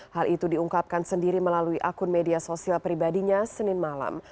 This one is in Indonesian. hal itu diungkapkan sendiri melalui akun media sosial pribadinya senin malam